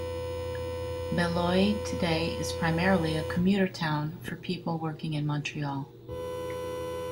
Beloeil today is primarily a commuter town for people working in Montreal.